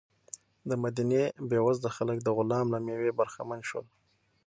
د مدینې بېوزله خلک د غلام له مېوې برخمن شول.